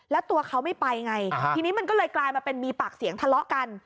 แล้วตัวเขาไม่ไปไงทีนี้มันก็เลยกลายมาเป็นมีปากเสียงทะเลาะกัน